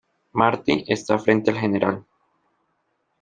Marty está frente al General.